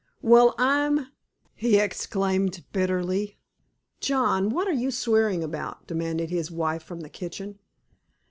"Well, I'm—," he exclaimed bitterly. "John, what are you swearing about?" demanded his wife from the kitchen.